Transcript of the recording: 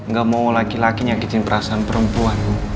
gak mau laki laki nyakitin perasaan perempuan